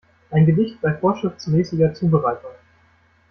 Ein Gedicht bei vorschriftsmäßiger Zubereitung.